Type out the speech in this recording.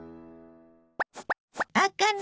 あかね